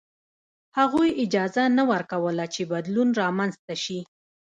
هغوی اجازه نه ورکوله چې بدلون رامنځته شي.